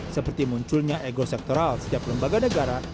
seperti munculnya ego sektoral setiap lembaga negara